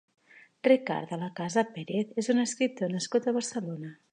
Ricard de la Casa Pérez és un escriptor nascut a Barcelona.